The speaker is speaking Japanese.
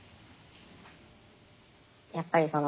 やっぱりその